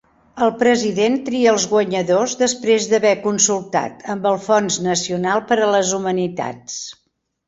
El President tria els guanyadors després d'haver consultat amb el Fons Nacional per a les Humanitats.